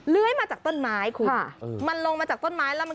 เลื้อยมาจากกล้อยมันเรามาจากกล้อยคุณปาน